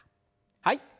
はい。